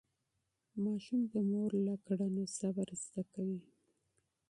ماشوم د مور له چلند صبر زده کوي.